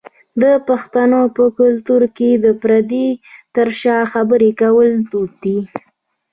د پښتنو په کلتور کې د پردې تر شا خبری کول دود دی.